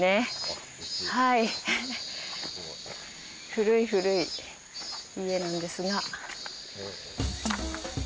古い古い家なんですが。